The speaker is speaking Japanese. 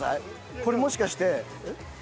これもしかして。